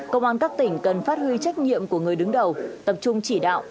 công an các tỉnh cần phát huy trách nhiệm của người đứng đầu tập trung chỉ đạo